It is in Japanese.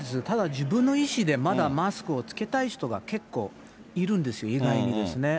ただ、自分の意思でまだマスクを着けたい人が結構いるんですよ、意外に。